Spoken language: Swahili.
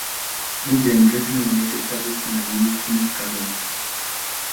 New Generationb United Service na New Kings Karume